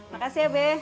makasih ya be